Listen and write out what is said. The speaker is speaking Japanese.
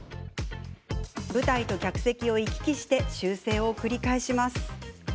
舞台と客席を行き来して修正を繰り返します。